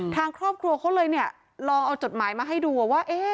ทางครอบครัวเขาเลยเนี่ยลองเอาจดหมายมาให้ดูว่า